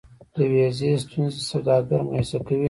د ویزې ستونزې سوداګر مایوسه کوي.